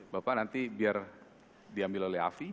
bapak nanti biar diambil oleh afi